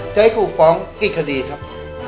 จะให้กูฟ้องกี่คดีครับ